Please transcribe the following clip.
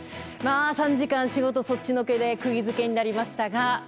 ３時間仕事そっちのけでくぎ付けになりましたが。